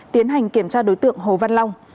tiến hành kiểm tra đối tượng hồ văn long